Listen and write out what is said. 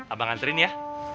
abang anterin ya